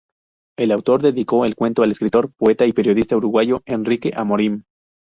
El autor dedicó el cuento al escritor, poeta y periodista uruguayo Enrique Amorim.